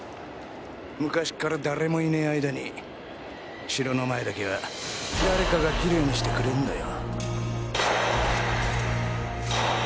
昔から誰もいねえ間に城の前だけは誰かがきれいにしてくれんのよ。